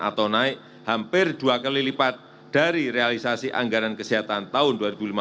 atau naik hampir dua kali lipat dari realisasi anggaran kesehatan tahun dua ribu lima belas